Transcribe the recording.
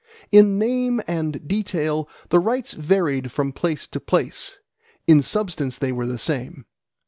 In name and detail the rites varied from place to place: in substance they were the same.